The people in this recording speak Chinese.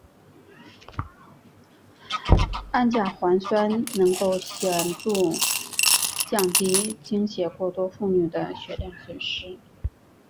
氨甲环酸能够显着降低经血过多妇女的血量损失。